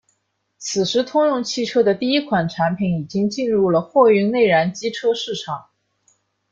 此时通用汽车的第一款产品已经进入了货运内燃机车市场。